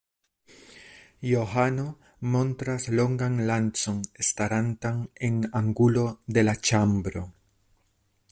Johano montras longan lancon starantan en angulo de la ĉambro.